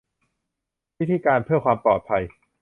วิธีการเพื่อความปลอดภัย